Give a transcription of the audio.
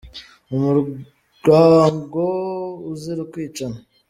Umurwango uzira kwicana.